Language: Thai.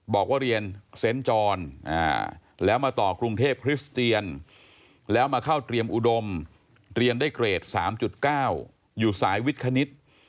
บอกว่าเรียนเซนต์จรแล้วมาต่อกรุงเทพคริสเตียนแล้วมาเข้าเตรียมอุดมเรียนได้เกรด๓๙อยู่สายวิทคณิต